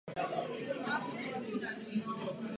Zasedal v okresní radě.